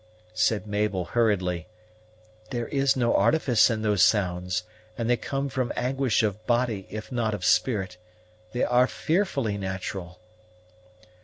said Mabel hurriedly; "there is no artifice in those sounds, and they come from anguish of body, if not of spirit. They are fearfully natural."